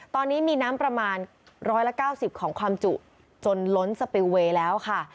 ตอนนี้มีน้ำประมาณร้อยละเก้าสิบของความจุจนล้นสเปลวเวย์แล้วค่ะ